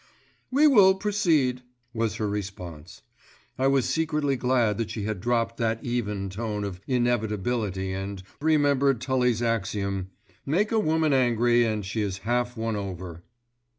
"We will proceed," was her response. I was secretly glad that she had dropped that even tone of inevitability and remembered Tully's axiom "make a woman angry and she is half won over."